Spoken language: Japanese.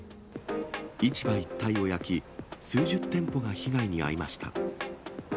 市場一帯を焼き、数十店舗が被害に遭いました。